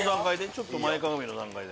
ちょっと前かがみの段階で。